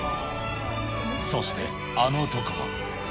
そしてあの男も。